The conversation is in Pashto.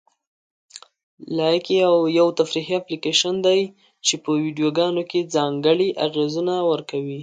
لایکي یو تفریحي اپلیکیشن دی چې په ویډیوګانو کې ځانګړي اغېزونه ورکوي.